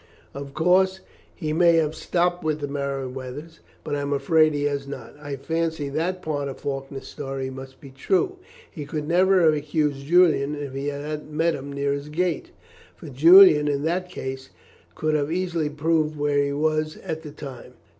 Of course, he may have stopped with the Merryweathers, but I am afraid he has not. I fancy that part of Faulkner's story must be true; he could never have accused Julian if he had not met him near his gate for Julian in that case could have easily proved where he was at the time.